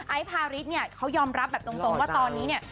ไอซ์พาริสเขายอมรับแบบตรงว่าตอนนี้เนี่ย